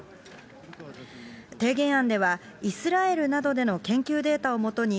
提言案ではイスラエルなどでの研究データを基に、